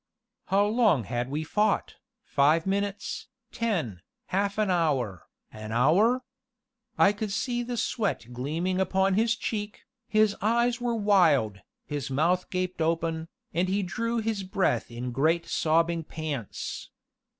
How long had we fought? five minutes ten half an hour an hour? I could see the sweat gleaming upon his cheek, his eyes were wild, his mouth gaped open, and he drew his breath in great sobbing pants.